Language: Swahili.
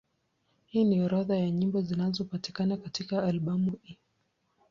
Hii ni orodha ya nyimbo zinazopatikana katika albamu hii.